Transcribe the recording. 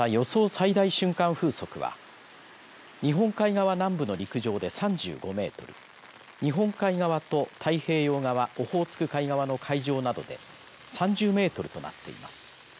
最大瞬間風速は日本海側南部の陸上で３５メートル日本海側と太平洋側オホーツク海側の海上などで３０メートルとなっています。